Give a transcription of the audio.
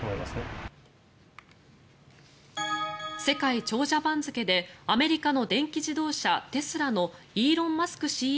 世界長者番付でアメリカの電気自動車テスラのイーロン・マスク